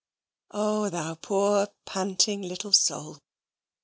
Oh, thou poor panting little soul!